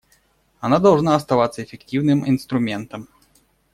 Она должна оставаться эффективным инструментом.